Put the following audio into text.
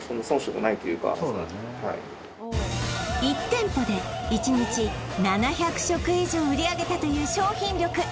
１店舗で１日７００食以上売り上げたという商品力